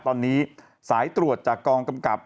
ตอนนี้สายตรวจจากกองกำกับ